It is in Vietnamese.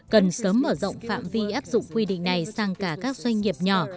cần sớm mở rộng phạm vi áp dụng quy định này sang cả các doanh nghiệp nhỏ